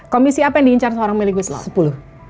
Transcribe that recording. komisi apa yang diincar seorang meli guslau